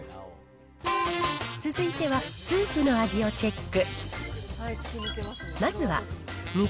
続いては、スープの味をチェック。